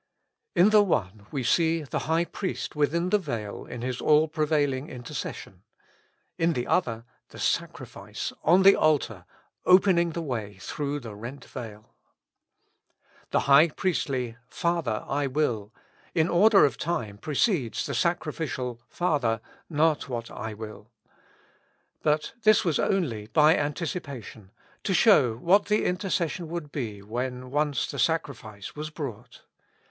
In the one we see the High Priest within the veil in His all prevailing intercession ; in the other, the sacrifice on the altar opening the way through the rent veil. The high priestly "Father ! I will," in order of time precedes the sacrificial "Father! not what I will;" but this was only by anticipation, to show what the intercession would be when once the sacrifice was brought.